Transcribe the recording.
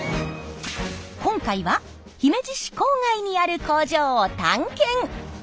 今回は姫路市郊外にある工場を探検！